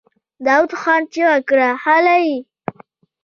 داوود خان چيغه کړه! هلئ!